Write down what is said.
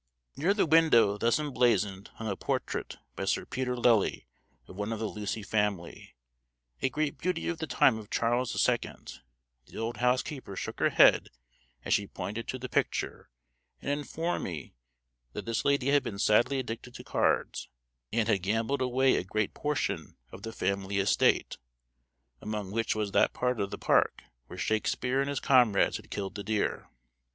Near the window thus emblazoned hung a portrait, by Sir Peter Lely, of one of the Lucy family, a great beauty of the time of Charles the Second: the old housekeeper shook her head as she pointed to the picture, and informed me that this lady had been sadly addicted to cards, and had gambled away a great portion of the family estate, among which was that part of the park where Shakespeare and his comrades had killed the deer.